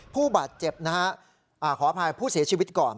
ผู้บาดเจ็บนะฮะขออภัยผู้เสียชีวิตก่อน